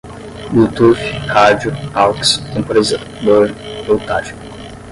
bluetooth, rádio, aux, temporarizador, voltagem